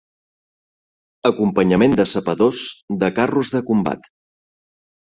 Acompanyament de sapadors, de carros de combat.